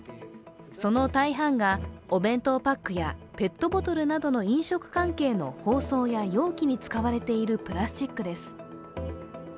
その大半がお弁当パックやペットボトルなどの飲食関係の包装や容器に使われているプラスチックです。